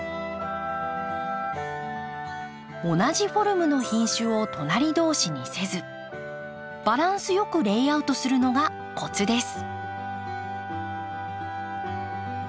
同じフォルムの品種を隣同士にせずバランス良くレイアウトするのがコツです。